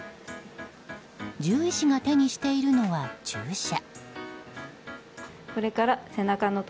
獣医師が手にしているのは注射。